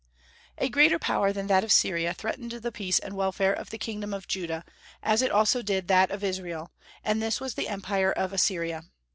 A greater power than that of Syria threatened the peace and welfare of the kingdom of Judah, as it also did that of Israel; and this was the empire of Assyria.